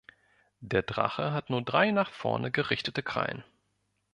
Der Drache hat nur drei nach vorne gerichtete Krallen.